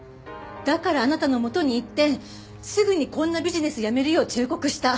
だからあなたの元に行ってすぐにこんなビジネスやめるよう忠告した。